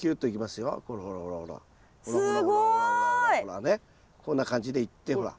すごい！こんな感じでいってほら。